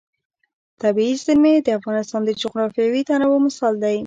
طبیعي زیرمې د افغانستان د جغرافیوي تنوع مثال دی.